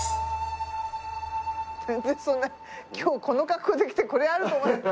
全然そんな今日この格好で来てこれあると思わない。